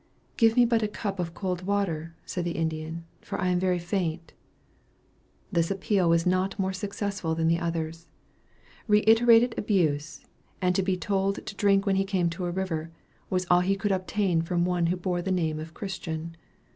"Give me but a cup of cold water," said the Indian, "for I am very faint." This appeal was not more successful than the others. Reiterated abuse, and to be told to drink when he came to a river, was all he could obtain from one who bore the name of Christian!